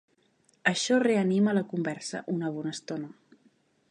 Això reanima la conversa una bona estona.